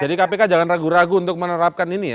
jadi kpk jangan ragu ragu untuk menerapkan ini ya